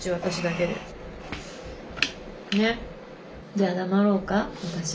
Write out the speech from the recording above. じゃあ黙ろうか私。